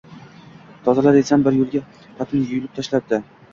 Tozala, desam bir yo`la patini yulib tashlabdi